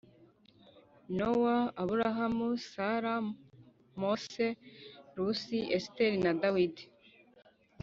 Nowa Aburahamu Sara Mose Rusi Esiteri na Dawidi